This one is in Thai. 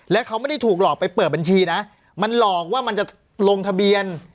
และเขาไม่ได้ถูกหลอกไปเปิดบัญชีนะมันหลอกว่ามันจะลงทะเบียน